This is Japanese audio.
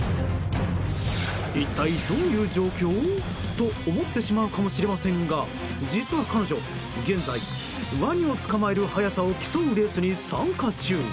一体どういう状況？と思ってしまうかもしれませんが実は彼女、現在ワニを捕まえる速さを競うレースに参加中。